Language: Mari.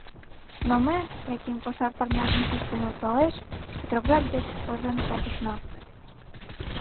Но ме, — Яким кошар парняжым кӱшкӧ нӧлталеш, — Петроград гыч кожен колтышна.